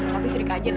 papi serik aja deh